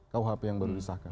ruhp yang baru disahkan